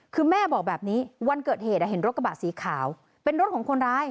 คือแม่บอกแบบนี้วันเกิดเหตุเห็นรถกระบะสีขาวเป็นรถของคนร้าย